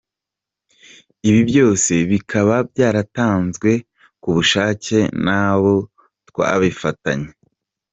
Ibi byose bikaba byaratanzwe ku bushake n’abo twabifatanye”.